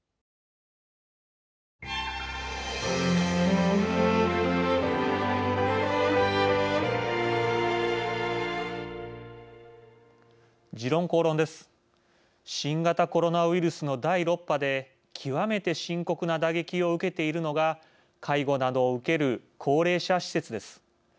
新型コロナウイルスの第６波で、極めて深刻な打撃を受けているのが介護などを受ける高齢者施設です。